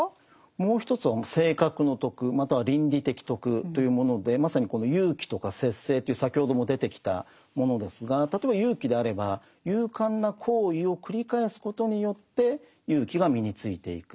もう一つは性格の徳または倫理的徳というものでまさにこの勇気とか節制という先ほども出てきたものですが例えば勇気であれば勇敢な行為を繰り返すことによって勇気が身についていく。